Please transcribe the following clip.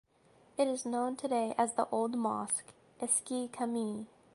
It is known today as the Old Mosque ("Eski Cami").